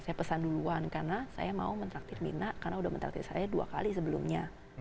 saya pesan duluan karena saya mau mentraktif mirna karena udah mentraktir saya dua kali sebelumnya